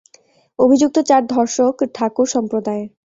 অভিযুক্ত চার ধর্ষক ঠাকুর সম্প্রদায়ের।